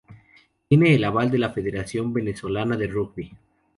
Tiene el aval de la Federación Venezolana de Rugby.